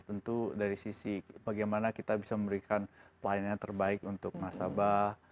tentu dari sisi bagaimana kita bisa memberikan pelayanan yang terbaik untuk nasabah